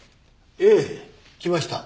ええ来ました。